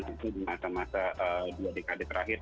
maksudnya di masa masa dua dekade terakhir ya